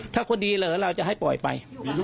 ถ้าคนดีเหรอเราจะให้ปล่อยไป